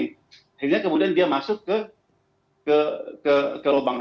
sehingga kemudian dia masuk ke ke ke ke ke lubang